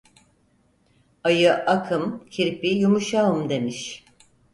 Ayı akım, kirpi yumuşağım demiş.